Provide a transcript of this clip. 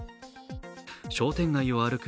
商店街を歩く